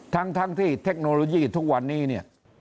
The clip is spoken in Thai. ทั้งที่เทคโนโลยีทุกวันนี้เนี่ย